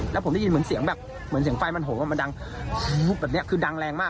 แล้วผมได้ยินเหมือนเสียงแบบเหมือนเสียงไฟมันโหมมันดังแบบนี้คือดังแรงมาก